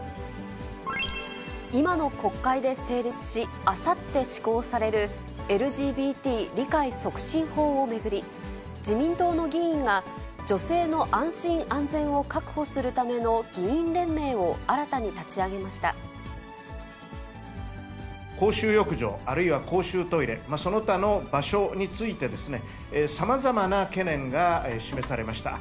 今の国会で成立し、あさって施行されるＬＧＢＴ理解促進法を巡り、自民党の議員が女性の安心安全を確保するための議員連盟を新たに公衆浴場、あるいは公衆トイレ、その他の場所についてですね、さまざまな懸念が示されました。